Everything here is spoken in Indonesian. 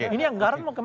ini anggaran mau kemana